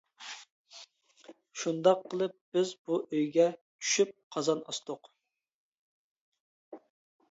شۇنداق قىلىپ بىز بۇ ئۆيگە چۈشۈپ، قازان ئاستۇق.